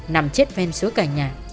nằm chết phên xuống cành nhà